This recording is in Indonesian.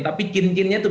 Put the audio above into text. tapi cincinnya itu belum